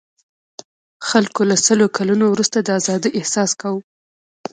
خلکو له سلو کلنو وروسته د آزادۍاحساس کاوه.